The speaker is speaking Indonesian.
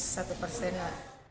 sekitar satu persen lah